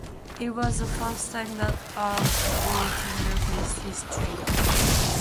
It was the first time that a goaltender faced his twin.